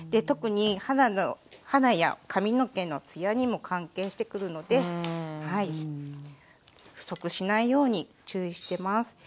特に肌や髪の毛のつやにも関係してくるので不足しないように注意してます。